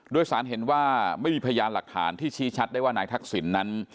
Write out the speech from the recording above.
โดยสารเห็นว่าไม่มีพยานหลักฐานที่ชี้ชัดได้ว่านายทักษิณนั้น